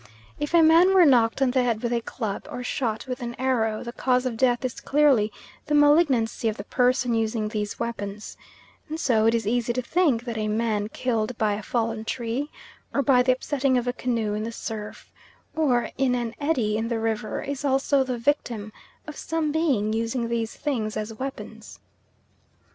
If a man were knocked on the head with a club, or shot with an arrow, the cause of death is clearly the malignancy of the person using these weapons; and so it is easy to think that a man killed by a fallen tree, or by the upsetting of a canoe in the surf, or in an eddy in the river, is also the victim of some being using these things as weapons.